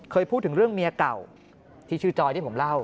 เคยพูดถึงเรื่องเมียเก่าที่ชื่อจอยที่ผมเล่า